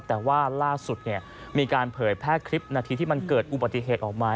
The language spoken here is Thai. แต่ว่าล่าสุดมีการเผยแพร่คลิปนาทีที่มันเกิดอุบัติเหตุออกมา